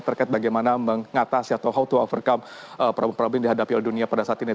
terkait bagaimana mengatasi atau how to overcome problem problem yang dihadapi oleh dunia pada saat ini